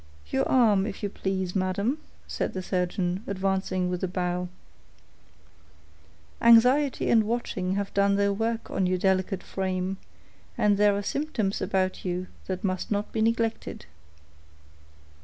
"Your arm, if you please, madam," said the surgeon, advancing with a bow. "Anxiety and watching have done their work on your delicate frame, and there are symptoms about you that must not be neglected."